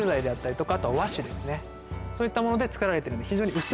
そういったもので作られてるんで非常に。